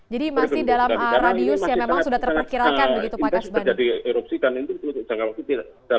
jadi masih dalam radius yang memang sudah terkirakan begitu pak kasbani